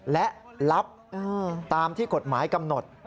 และรับตามที่กฎหมายกำหนด